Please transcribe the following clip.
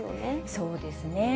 そうですね。